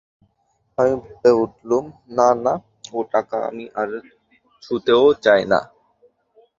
আমি বলে উঠলুম, না না, ও টাকা আমি আর ছুঁতেও চাই নে।